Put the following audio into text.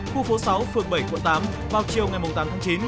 khu phố sáu phường bảy quận tám vào chiều ngày tám tháng chín